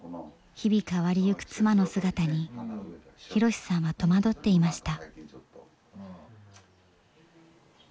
日々変わりゆく妻の姿に博さんは戸惑っていました。